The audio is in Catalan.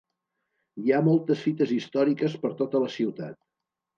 Hi ha moltes fites històriques per tota la ciutat.